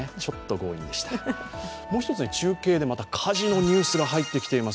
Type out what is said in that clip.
もう一つ、中継で火事のニュースが入ってきています。